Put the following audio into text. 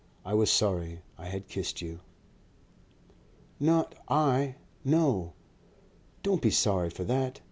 I was sorry I had kissed you." "Not I. No. Don't be sorry for that.